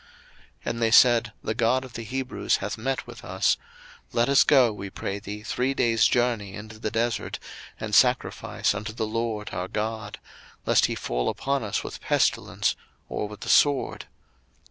02:005:003 And they said, The God of the Hebrews hath met with us: let us go, we pray thee, three days' journey into the desert, and sacrifice unto the LORD our God; lest he fall upon us with pestilence, or with the sword.